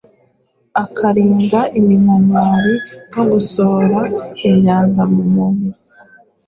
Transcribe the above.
ikarinda iminkanyari no gusohora imyanda mu mubiri.